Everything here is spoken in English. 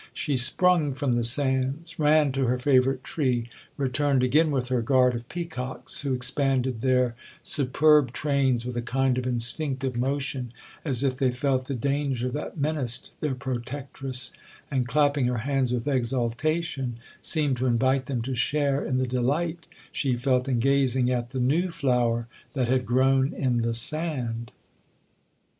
She sprung from the sands—ran to her favourite tree;—returned again with her guard of peacocks, who expanded their superb trains with a kind of instinctive motion, as if they felt the danger that menaced their protectress, and, clapping her hands with exultation, seemed to invite them to share in the delight she felt in gazing at the new flower that had grown in the sand.